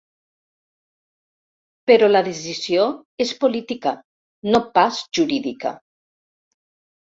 Però la decisió és política, no pas jurídica.